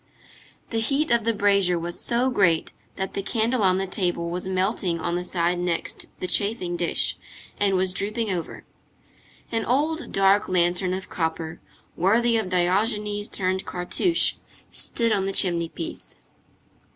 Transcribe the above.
The heat of the brazier was so great, that the candle on the table was melting on the side next the chafing dish, and was drooping over. An old dark lantern of copper, worthy of Diogenes turned Cartouche, stood on the chimney piece.